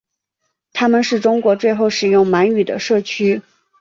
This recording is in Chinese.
他们是中国最后使用满语的社区。